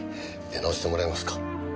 出直してもらえますか？